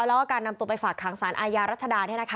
แล้วก็การนำตัวไปฝากขังสารอาญารัชดา